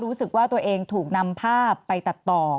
รู้สึกว่าตัวเองถูกนำภาพไปตัดต่อ